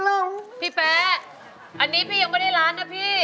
ร้องได้ให้ล้าน